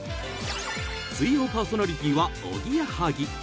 ［水曜パーソナリティーはおぎやはぎ］